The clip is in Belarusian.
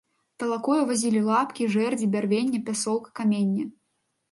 Талакою вазілі лапкі, жэрдзі, бярвенне, пясок, каменне.